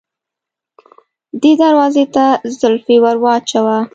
دې دروازې ته زولفی ور واچوه.